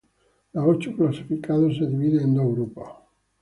Los ocho clasificados se dividen en dos grupos.